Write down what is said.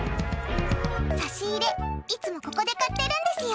差し入れ、いつもここで買ってるんですよ。